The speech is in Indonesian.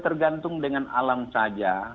tergantung dengan alam saja